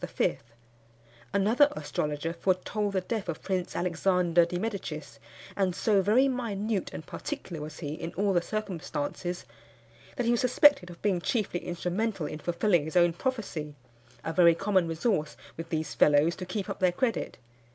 Another astrologer foretold the death of Prince Alexander di Medicis; and so very minute and particular was he in all the circumstances, that he was suspected of being chiefly instrumental in fulfilling his own prophecy a very common resource with these fellows to keep up their credit.